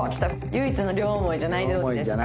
唯一の両思いじゃない同士です。